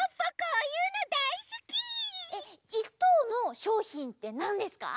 えっ１とうのしょうひんってなんですか？